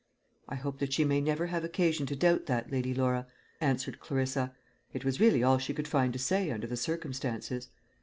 "I hope that she may never have occasion to doubt that, Lady Laura," answered Clarissa. It was really all she could find to say under the circumstances.